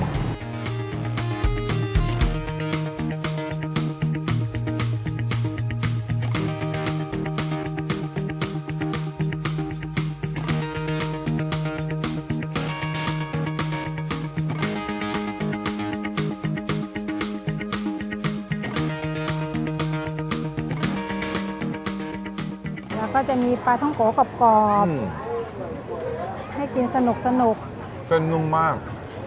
แล้วก็จะมีปลาท้องโกกรอบให้กินสนุกเส้นนุ่มมาก